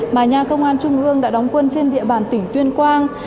mà nhà công an trung ương đã đóng quân trên địa bàn tỉnh tuyên quang